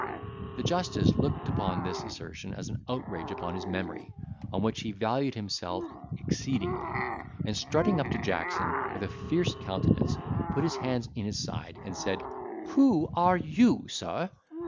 The justice looked upon this assertion as an outrage upon his memory, on which he valued himself exceedingly; and strutting up to Jackson, with a fierce countenance, put his hands in his side, and said, "Who are you, sir?